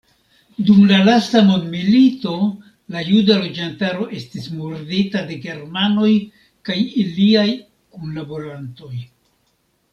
Dum la lasta mondmilito la juda loĝantaro estis murdita de germanoj kaj iliaj kunlaborantoj.